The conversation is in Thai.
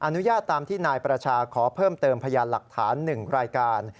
อนุญาตตามที่นายประชาขอเพิ่มเติมพยานหลักฐาน๑รายการ